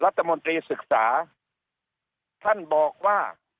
รัฐมนตรีศึกษาท่านบอกว่า